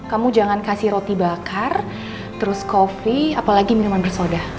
kamu jangan kasih roti bakar terus kopi apalagi minuman bersoda